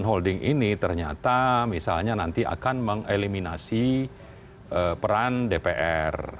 holding ini ternyata misalnya nanti akan mengeliminasi peran dpr